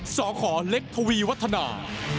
สขเล็กทวีวัฒนา